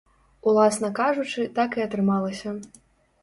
Уласна кажучы, так і атрымалася.